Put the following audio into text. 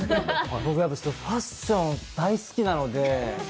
僕、ファッション大好きなので。